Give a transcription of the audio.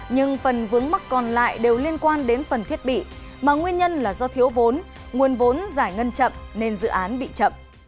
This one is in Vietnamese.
nhưng phần vướng mắc còn lại đều liên quan đến phần thiết bị mà nguyên nhân là do thiếu vốn nguồn vốn giải ngân chậm nên dự án bị chậm